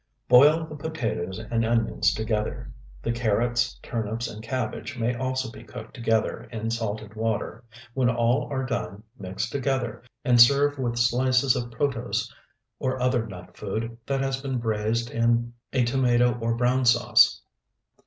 Boil the potatoes and onions together. The carrots turnips and cabbage may also be cooked together in salted water. When all are done, mix together, and serve with slices of protose or other nut food that has been braized in a tomato or brown sauce.